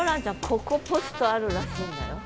ここポストあるらしいんだよ。